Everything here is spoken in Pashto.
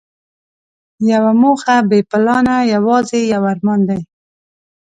یوه موخه بې پلانه یوازې یو ارمان دی.